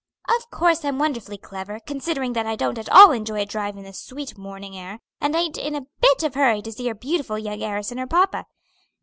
"Of course I'm wonderfully clever, considering that I don't at all enjoy a drive in this sweet morning air, and aint in a bit of a hurry to see your beautiful young heiress and her papa.